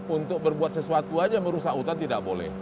untuk berbuat sesuatu saja merusak hutan tidak boleh